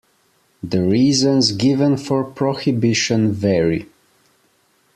The reasons given for prohibition vary.